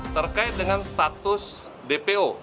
terkait dengan status dpo